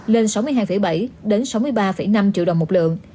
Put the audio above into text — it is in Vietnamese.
lên sáu mươi hai bảy sáu mươi ba năm triệu đồng một lượng